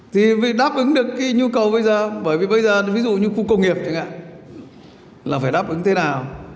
thì việc đáp ứng được cái nhu cầu bây giờ bởi vì bây giờ ví dụ như khu công nghiệp chẳng hạn là phải đáp ứng thế nào